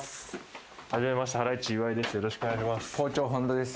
よろしくお願いします。